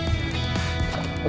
sediqah ya bang ya